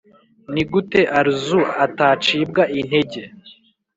Ni gute Arzu atacibwa intege?